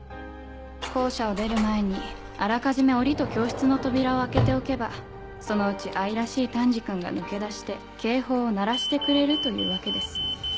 校舎を出る前にあらかじめ檻と教室の扉を開けておけばそのうち愛らしいタンジ君が抜け出して警報を鳴らしてくれるというわけです。